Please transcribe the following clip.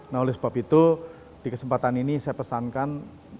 nah oleh sebab itu di kesempatan ini saya pesankan